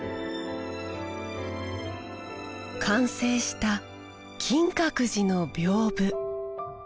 完成した金閣寺の屏風。